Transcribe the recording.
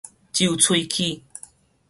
蛀喙齒